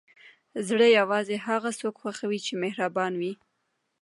زړه یوازې هغه څوک خوښوي چې مهربان وي.